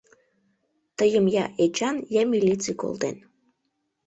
Тыйым я Эчан, я милиций колтен!